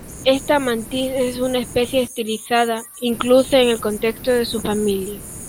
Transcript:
Esta mantis es una especie estilizada, incluso en el contexto de su familia.